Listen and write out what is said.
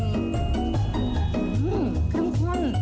ข้ำข้น